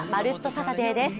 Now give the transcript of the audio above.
サタデー」です。